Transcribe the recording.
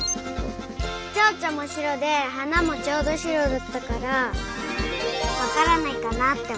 チョウチョもしろではなもちょうどしろだったからわからないかなっておもった。